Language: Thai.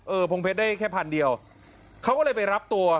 พงเพชรได้แค่พันเดียวเขาก็เลยไปรับตัว